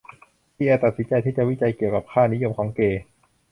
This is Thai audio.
ปิแอร์ตัดสินใจที่จะวิจัยเกี่ยวกับค่านิยมของเกย์